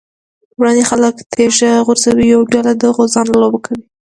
وړاندې خلک تيږه غورځوي، یوه ډله د غوزانو لوبه کوي.